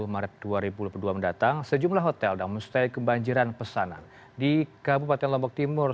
maret dua ribu dua belas mendatang sejumlah hotel dan mustai kebanjiran pesanan di kabupaten lombok timur